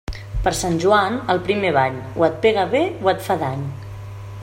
Per Sant Joan, el primer bany, o et pega bé o et fa dany.